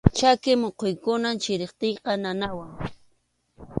Chaki muquykunam chiriptinqa nanawan.